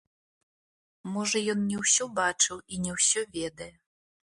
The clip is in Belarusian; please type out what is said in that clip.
Можа, ён не ўсё бачыў і не ўсё ведае.